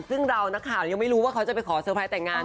ซึ่งเรานักข่าวยังไม่รู้ว่าเขาจะไปขอเซอร์ไพรส์แต่งงาน